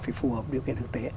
phải phù hợp điều kiện thực tế